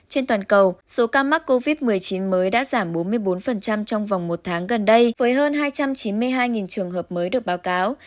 trên toàn cầu số ca mắc covid một mươi chín mới đã giảm bốn mươi bốn trong vòng một tháng gần đây với hơn hai trăm chín mươi hai trường hợp mới được báo cáo